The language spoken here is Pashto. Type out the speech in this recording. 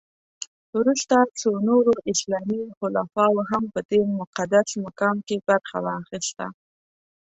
وروسته څو نورو اسلامي خلفاوو هم په دې مقدس مقام کې برخه واخیسته.